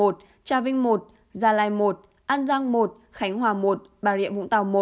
trà vinh i gia lai một an giang một khánh hòa một bà rịa vũng tàu một